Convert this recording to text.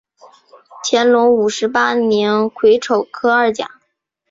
乾隆五十八年癸丑科二甲。